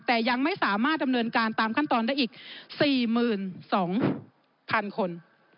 แต่ยังไม่สามารถดำเนินการตามขั้นตอนได้อีก๔๒๐๐๐คน